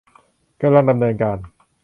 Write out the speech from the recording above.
กำลังดำเนินการ